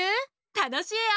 たのしいよ。